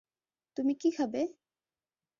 তুমি কী খাবে?